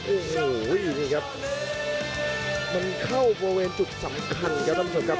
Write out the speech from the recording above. โอ้โหอยู่นี่ครับมันเข้าบริเวณจุดสำคัญครับท่านผู้ชมครับ